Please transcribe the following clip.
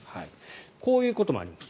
こういうこともあります。